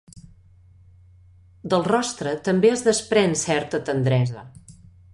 Del rostre també es desprèn certa tendresa.